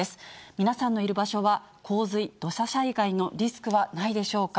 皆さんのいる場所は洪水、土砂災害のリスクはないでしょうか。